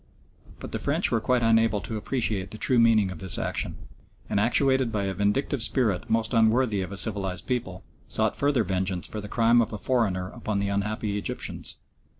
But the French were quite unable to appreciate the true meaning of this action, and, actuated by a vindictive spirit most unworthy of a civilised people, sought further vengeance for the crime of a foreigner upon the unhappy Egyptians.